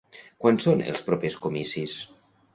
Quan són els propers comicis?